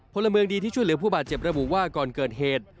พลเมืองดีที่ช่วยเหลือผู้บาดเจ็บระบุว่าก่อนเกิดเหตุ